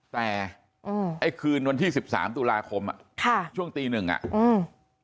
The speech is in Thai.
แต่อืมไอ้คืนวันที่สิบสามตุลาคมอ่ะค่ะช่วงตีหนึ่งอ่ะอืม